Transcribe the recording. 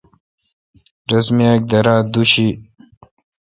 رس می اک دارہ تے دوُشی